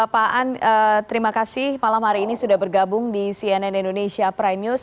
pak an terima kasih malam hari ini sudah bergabung di cnn indonesia prime news